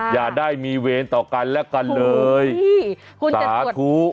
อย่าได้มีเวรต่อกันและกันเลยสาธุ